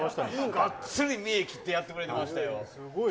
がっつり見得きってやってくれてましたよ。